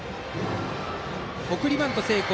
送りバント成功。